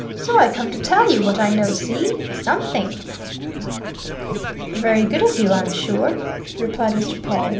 So I come to tell you what I know, see? Something!" "Very good of you, I'm sure," replied Mr. Pawle.